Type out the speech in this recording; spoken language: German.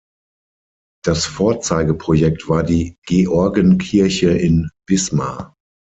Das Vorzeigeprojekt war die Georgenkirche in Wismar.